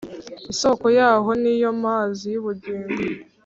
Isoko yaho niyo mazi y’ubugingo